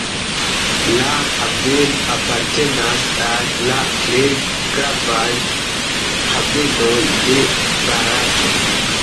La haveno apartenas al la plej gravaj havenoj de Barato.